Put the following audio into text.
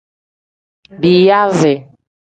Biyaasi.